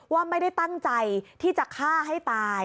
ว่าไม่ได้ตั้งใจที่จะฆ่าให้ตาย